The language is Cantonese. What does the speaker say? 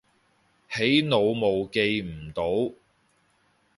起腦霧記唔到